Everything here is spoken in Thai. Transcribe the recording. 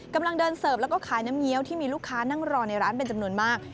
กำลังเดินเสิร์ฟแล้วก็ขายน้ำเงี้ยวที่มีลูกค้านั่งรอในร้านเป็นจำนวนมาก